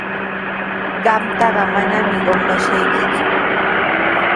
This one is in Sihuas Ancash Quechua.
Qamtaqa manami qunqashaykiku.